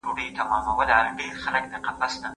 د کتاب نوم له یوې جملې اخیستل شوی دی.